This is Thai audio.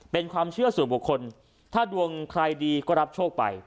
เป็นความเชื่อส่วนบุคคลถ้าดวงใครดีก็รับโชคไป